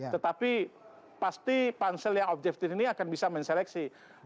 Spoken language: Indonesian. tetapi pasti pansel yang objektif ini akan bisa menseleksi